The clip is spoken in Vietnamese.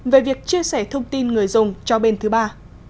về việc chia sẻ thông tin người dùng cho bên thứ ba